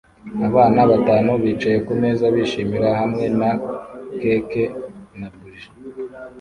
Abantu batanu bicaye kumeza bishimira hamwe na cake na buji